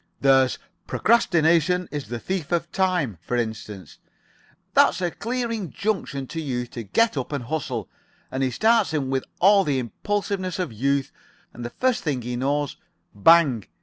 "There's 'Procrastination is the thief of time,' for instance. That's a clear injunction to youth to get up and hustle, and he starts in with all the impulsiveness of youth, and the first thing he knows bang!